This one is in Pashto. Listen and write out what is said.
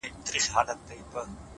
صدقه دي سم تر تكــو تــورو سترگو’